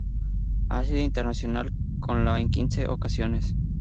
Ha sido internacional con la en quince ocasiones.